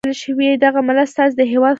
دغه ملت ستاسي د هیواد خدمت وکړو.